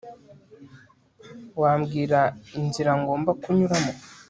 wambwira inzira ngomba kunyuramo